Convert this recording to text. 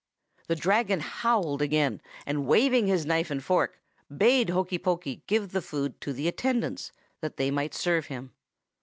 "The Dragon howled again, and waving his knife and fork, bade Hokey Pokey give the food to the attendants, that they might serve him.